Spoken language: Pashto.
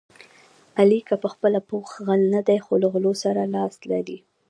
علي که په خپله پوخ غل نه دی، خو له غلو سره لاس لري.